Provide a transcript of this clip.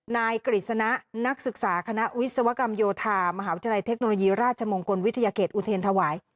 นายกฤษณะนักศึกษาคณะวิศวกรรมโยธามหาวิทยาลัยเทคโนโลยีราชมงคลวิทยาเขตอุเทรนธวาย